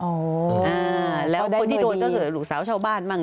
พอได้โดยดีแล้วคนที่โดนก็คือหลูกสาวชาวบ้านบ้าง